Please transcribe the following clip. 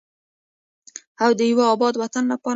او د یو اباد وطن لپاره.